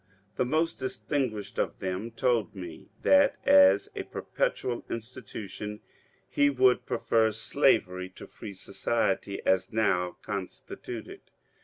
The most distinguished of them told me that as a perpetual institution he would prefer Slavery to Free Society as now constituted.